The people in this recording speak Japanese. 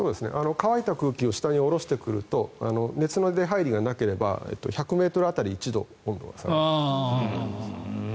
乾いた空気を下に下ろしてくると熱の出入りがなければ１００ｍ当たり１度温度が下がります。